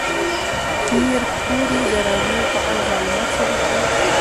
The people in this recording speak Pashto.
پېیر کوري د راډیوم په اړه معلومات شریک کړل.